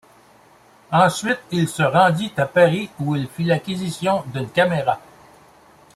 Ensuite il se rendit à Paris où il fit l'acquisition d'une caméra.